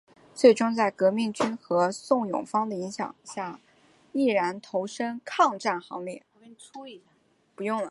最终在革命军和宋永芳的影响下毅然投身抗战行列。